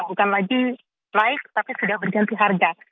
bukan lagi naik tapi sudah berganti harga